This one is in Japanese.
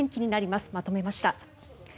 まとめました。